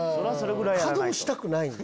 稼働したくないんで。